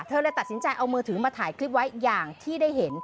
เลยตัดสินใจเอามือถือมาถ่ายคลิปไว้อย่างที่ได้เห็น